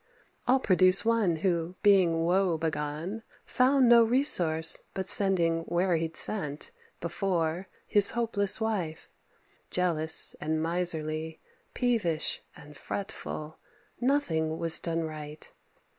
I'll produce one who, being woe begone, Found no resource but sending where he'd sent Before his hopeless wife, jealous and miserly, Peevish and fretful; nothing was done right.